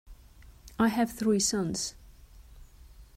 I have three sons.